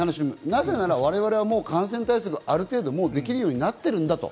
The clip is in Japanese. なぜなら我々は感染対策、ある程度できるようになっているんだと。